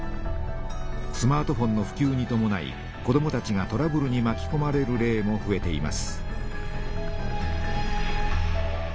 スマートフォンのふきゅうにともない子どもたちがトラブルにまきこまれる例もふえています。